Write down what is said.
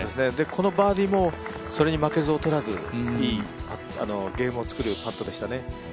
このバーディーもそれに負けず劣らず、いいゲームを作るパットでしたね。